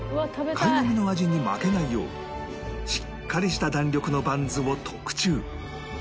カイノミの味に負けないようしっかりした弾力のバンズを特注